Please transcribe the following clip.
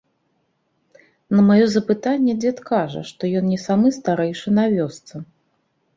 На маё запытанне дзед кажа, што ён не самы старэйшы на вёсцы.